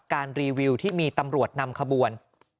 รีวิวที่มีตำรวจนำขบวน